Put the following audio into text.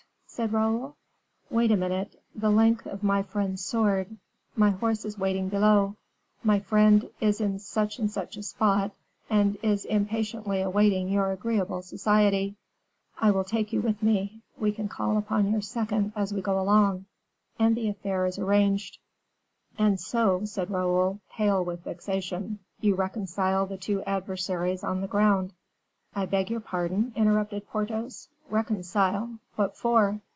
said Raoul. "Wait a minute. 'The length of my friend's sword. My horse is waiting below; my friend is in such and such a spot and is impatiently awaiting your agreeable society; I will take you with me; we can call upon your second as we go along:' and the affair is arranged." "And so," said Raoul, pale with vexation, "you reconcile the two adversaries on the ground." "I beg your pardon," interrupted Porthos. "Reconcile! What for?"